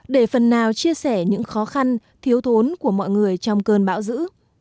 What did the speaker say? để phần nào chia sẻ những khó khăn thiếu thốn của mọi người trong cơn bão dữ